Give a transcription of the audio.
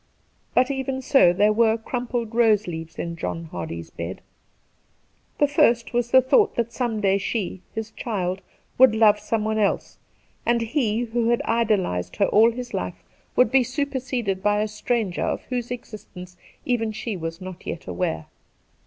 But even so there were crumpled rose leaves in John Hardy's bed. The first was the thought that some day she, his child, would lovei^. someone else, and he who had idolized her all his life would be Two Christmas Days J97 superseded by a stranger of whose existence even she was not yet aware.